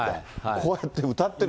こうやって歌ってる。